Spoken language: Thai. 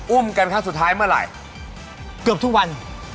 อุ้มกันครับสุดท้ายเมื่อไหร่